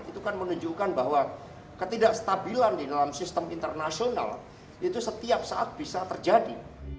itu kan menunjukkan bahwa ketidakstabilan di dalam sistem internasional itu setiap saat bisa terjadi